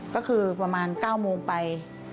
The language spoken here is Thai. ก็คือประมาณ๙โมงไป